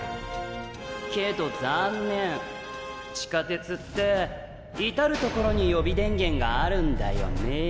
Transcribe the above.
けど残念地下鉄って至る所に予備電源があるんだよね。